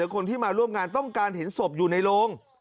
คนที่มาร่วมงานต้องการเห็นศพอยู่ในโรง